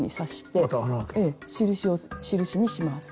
ええ印にします。